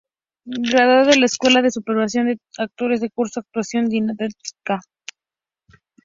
Graduado de la Escuela de Superación de actores, del Curso de Actuación didáctica.